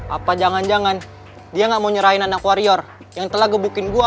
apa jangan jangan dia gak mau nyerahin anak warrior yang telah gebukin gue